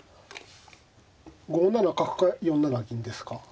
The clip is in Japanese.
５七角か４七銀ですか。